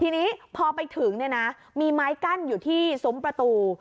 ทีนี้พอไปถึงเนี่ยนะมีไม้กั้นอยู่ที่ซุ้มประตู